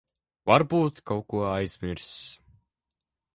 Varbūt kaut ko aizmirsis.